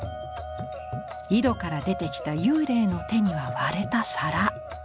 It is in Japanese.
井戸から出てきた幽霊の手には割れた皿。